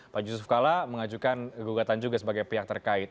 pak yusuf kalla mengajukan gugatan juga sebagai pihak terkait